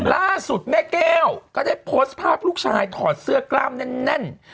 ล่าสุดแม่แก้วก็ได้โพสต์ภาพลูกชายถอดเสื้อกล้ามแน่น